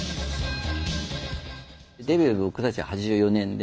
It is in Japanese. デビュー僕たちは８４年で。